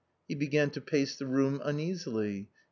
He began to pace the room uneasily.